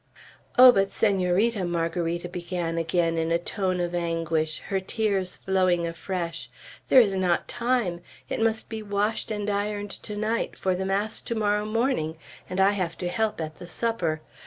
"Oh, but Senorita," Margarita began again in a tone of anguish, her tears flowing afresh, "there is not time! It must be washed and ironed to night, for the mass to morrow morning, and I have to help at the supper.